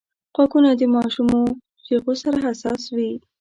غوږونه د ماشومو چیغو سره حساس وي